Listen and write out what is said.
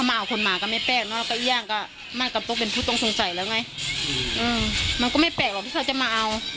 มันก็ไม่แปลกหรอกคุณแทนมาเอา